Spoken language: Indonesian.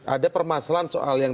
ada permasalahan soal yang